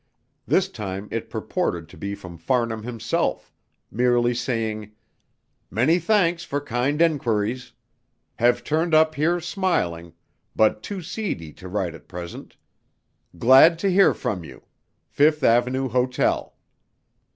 This time it purported to be from Farnham himself, merely saying, "Many thanks for kind enquiries. Have turned up here smiling, but too seedy to write at present. Glad to hear from you. Fifth Avenue Hotel."